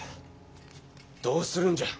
どうするんじゃ。